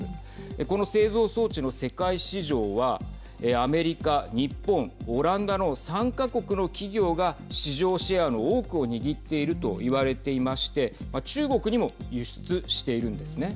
この製造装置の世界市場はアメリカ、日本、オランダの３か国の企業が市場シェアの多くを握っていると言われていまして中国にも輸出しているんです。